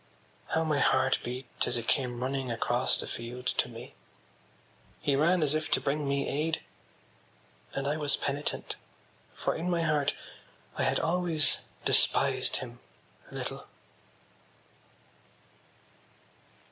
How my heart beat as he came running across the field to me! He ran as if to bring me aid. And I was penitent; for in my heart I had always despised him a little.